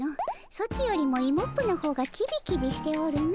ソチよりもイモップの方がキビキビしておるの。